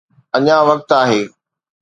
اڃا وقت آهي.